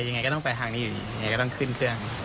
ยังไงก็ต้องไปทางนี้อยู่ดียังไงก็ต้องขึ้นเครื่อง